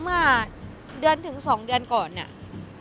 เมื่อเดือนถึง๒เดือนก่อนเนี่ย